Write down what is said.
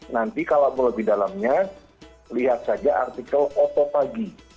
nanti kalau lebih dalamnya lihat saja artikel oto pagi